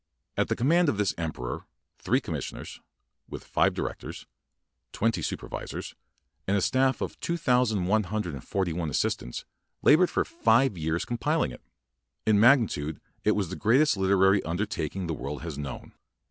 At the command of this emperor, three commissioners, with five directors, twenty supervisors, and a staff of 2,141 assistants, labored for five years compiling it. In magni tude it was the greatest literary un dertaking the world has known.